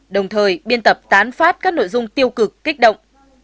đồng thời biên tập tán phát các nội dung tiêu cực kích động